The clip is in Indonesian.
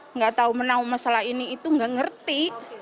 enggak tahu menang masalah ini itu enggak ngerti